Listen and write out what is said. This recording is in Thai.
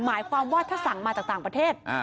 หมายความว่าถ้าสั่งมาจากต่างประเทศ